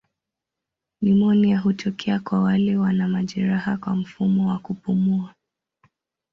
Nimonia hutokea kwa wale wana majeraha kwa mfumo wa kupumua.